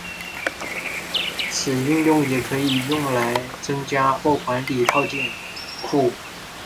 此应用也可用来增加或管理套件库。